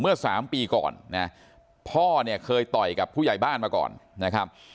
เมื่อสามปีก่อนนะพ่อเนี่ยเคยต่อยกับผู้ใหญ่บ้านมาก่อนนะครับ